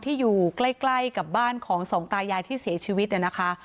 อยู่ใกล้กับบ้านของสองตายายที่เสียชีวิตเนี่ยนะคะ